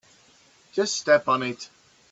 Just step on it.